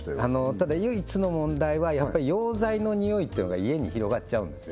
ただ唯一の問題はやっぱ溶剤の臭いってのが家に広がっちゃうんですよ